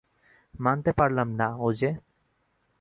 মানতে পারলাম না, ওজে।